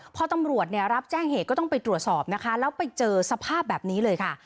พอตำรวจเนี่ยรับแจ้งเหตุก็ต้องไปตรวจสอบนะคะแล้วไปเจอสภาพแบบนี้เลยค่ะ